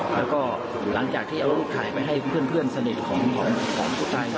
แล้วก็หลังจากที่เอารูปถ่ายไปให้เพื่อนสนิทของผู้ตาย